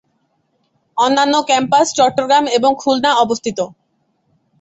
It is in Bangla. অন্যান্য ক্যাম্পাস চট্টগ্রাম এবং খুলনা অবস্থিত।